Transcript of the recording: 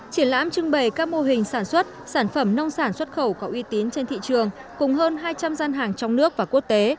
triển lãm trưng bày các mô hình sản xuất sản phẩm nông sản xuất khẩu có uy tín trên thị trường cùng hơn hai trăm linh gian hàng trong nước và quốc tế